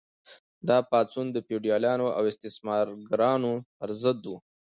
دا پاڅون د فیوډالانو او استثمارګرانو پر ضد و.